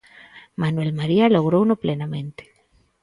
Manuel María logrouno plenamente.